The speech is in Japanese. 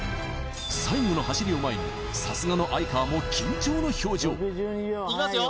最後の走りを前にさすがの哀川も緊張の表情いきますよ